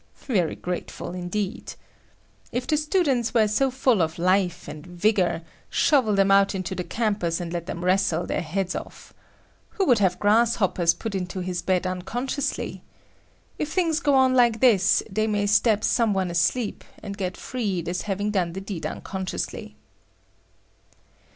Very grateful, indeed. If the students were so full of life and vigor, shovel them out into the campus and let them wrestle their heads off. Who would have grasshoppers put into his bed unconsciously! If things go on like this, they may stab some one asleep, and get freed as having done the deed unconsciously.